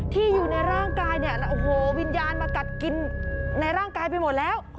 อยู่ในร่างกายเนี่ยโอ้โหวิญญาณมากัดกินในร่างกายไปหมดแล้ว